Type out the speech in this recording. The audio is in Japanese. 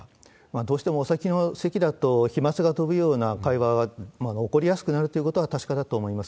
どうしてもお酒の席だと、飛まつが飛ぶような会話が起こりやすくなるということは確かだと思います。